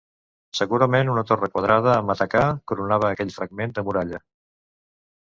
Segurament una torre quadrada amb matacà coronava aquell fragment de muralla.